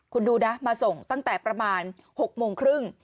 คุณดูนะมาส่งตั้งแต่ประมาณ๖โมงครึ่ง